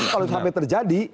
kalau itu sampai terjadi